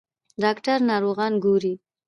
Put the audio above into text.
ډاکټر ناروغان ګوري.